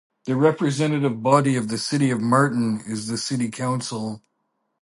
The representative body of the city of Martin is the city council.